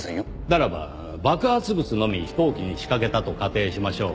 ならば爆発物のみ飛行機に仕掛けたと仮定しましょう。